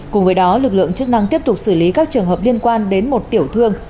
cùng với đó lực lượng chức năng tiếp tục xử lý các trường hợp liên quan đến một tiểu thương